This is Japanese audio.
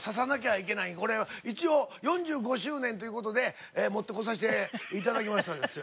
これ一応４５周年という事で持って来させて頂きましたんですよ。